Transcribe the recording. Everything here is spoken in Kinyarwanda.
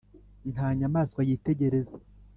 nta nyamaswa yitegereza